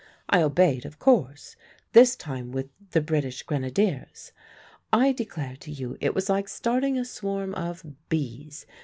I obeyed, of course, this time with 'The British Grenadiers.' I declare to you it was like starting a swarm of bees.